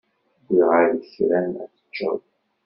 Wwiɣ-ak-d kra ad t-teččeḍ.